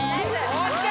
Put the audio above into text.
ＯＫ